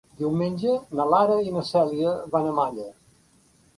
Diumenge na Lara i na Cèlia van a Malla.